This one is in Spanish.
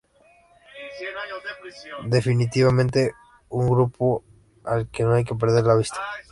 Definitivamente un grupo al que no hay que perder de vista.